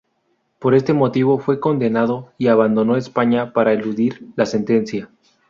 Por este motivo fue condenado y abandonó España para eludir la sentencia.